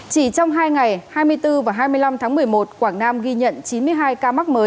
chỉ trong hai ngày hai mươi bốn và hai mươi năm tháng một mươi một quảng nam ghi nhận chín mươi hai ca mắc mới